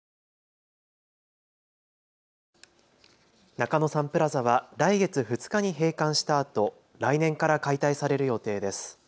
中野サンプラザは来月２日に閉館したあと来年から解体される予定です。